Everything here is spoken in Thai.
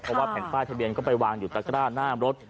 เพราะว่าแผ่นป้ายทะเบียนก็ไปวางอยู่ตะกร้าหน้ารถ